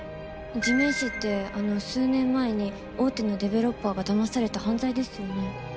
地面師ってあの数年前に大手のデベロッパーがだまされた犯罪ですよね？